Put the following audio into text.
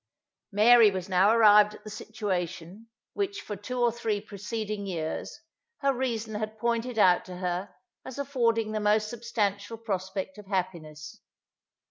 Mary was now arrived at the situation, which, for two or three preceding years, her reason had pointed out to her as affording the most substantial prospect of happiness.